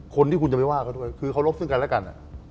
คนที่คุณจะไม่ว่าเขาด้วยคือเคารพซึ่งกันและกัน